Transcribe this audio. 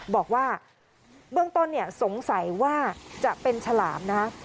บอกว่าเบื้องต้นสงสัยว่าจะเป็นฉลามนะฮะ